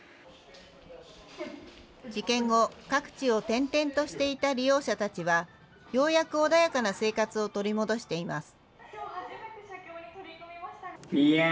事件後、各地を転々としていた利用者たちは、ようやく穏やかな生活を取り戻しています。